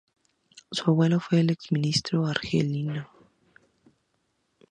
Su abuelo fue el exministro argelino, Durán Quintero, quien fue asesinado por la guerrilla.